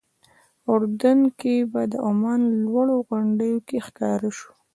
اردن کې به د عمان لوړو غونډیو کې ښکاره شو.